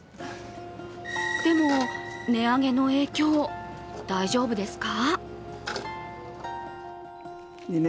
でも、値上げの影響、大丈夫ですか？